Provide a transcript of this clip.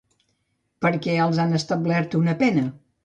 Per què els han establert una pena?